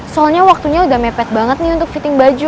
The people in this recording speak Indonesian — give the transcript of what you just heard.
soalnya waktunya udah mepet banget nih untuk fitting baju